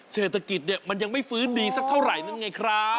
เศรษฐกิจเนี่ยมันยังไม่ฟื้นดีสักเท่าไหร่นั่นไงครับ